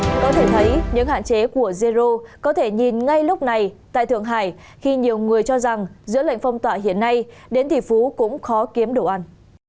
các bạn có thể nhìn thấy những hạn chế của zero có thể nhìn ngay lúc này tại thượng hải khi nhiều người cho rằng giữa lệnh phong tỏa hiện nay đến thị phú cũng khó kiếm đồ ăn